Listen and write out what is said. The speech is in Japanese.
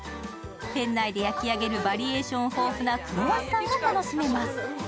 店内で焼き上げるバリエーション豊富なクロワッサンが楽しめます。